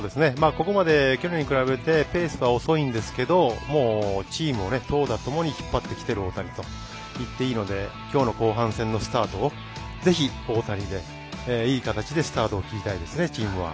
ここまで去年に比べてペースは遅いんですけどチームを投打ともに引っ張ってきている大谷と言っていいのできょうの後半戦のスタートをぜひ、大谷でいい形でスタート切りたいですねチームは。